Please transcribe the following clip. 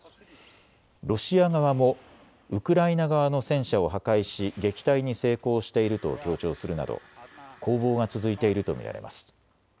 ロシア側もウクライナ側の戦車を破壊し撃退に成功していると強調するなど攻防が続いていると見られます。